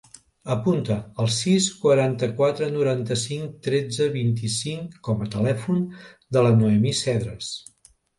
Apunta el sis, quaranta-quatre, noranta-cinc, tretze, vint-i-cinc com a telèfon de la Noemí Cedres.